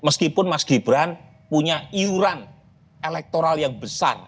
meskipun mas gibran punya iuran elektoral yang besar